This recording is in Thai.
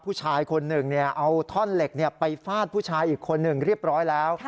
ผู้ชายคนหนึ่งเอาท่อนเหล็กไปฟาดผู้ชายอีกคนหนึ่งเรียบร้อยแล้ว